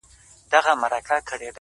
پر اغزیو راته اوښ وهي رمباړي؛